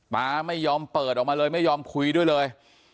ป๊าไม่ยอมเปิดออกมาเลยไม่ยอมคุยด้วยเลย